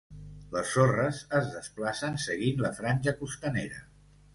Les sorres es desplacen seguint la franja costanera.